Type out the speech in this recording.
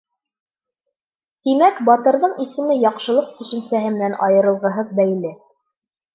Тимәк, батырҙың исеме яҡшылыҡ төшөнсәһе менән айырылғыһыҙ бәйле.